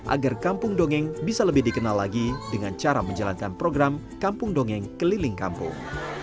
agar kampung dongeng bisa lebih dikenal lagi dengan cara menjalankan program kampung dongeng keliling kampung